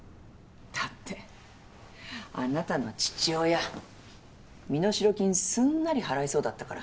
だってあなたの父親身代金すんなり払いそうだったから。